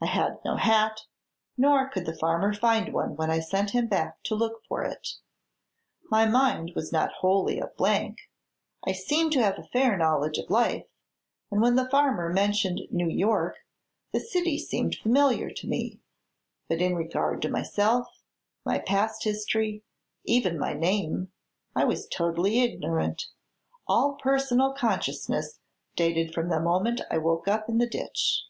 I had no hat, nor could the farmer find one when I sent him back to look for it. My mind was not wholly a blank; I seemed to have a fair knowledge of life, and when the farmer mentioned New York the city seemed familiar to me. But in regard to myself, my past history even my name I was totally ignorant. All personal consciousness dated from the moment I woke up in the ditch."